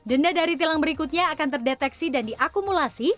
denda dari tilang berikutnya akan terdeteksi dan diakumulasi